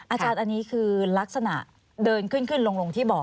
อาจารย์อันนี้คือลักษณะเดินขึ้นขึ้นลงที่บ่อ